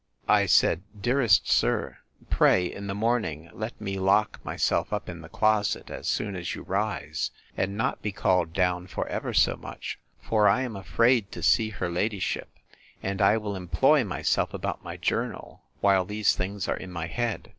I said, Dear sir, pray, in the morning let me lock myself up in the closet, as soon as you rise; and not be called down for ever so much; for I am afraid to see her ladyship: And I will employ myself about my journal, while these things are in my head.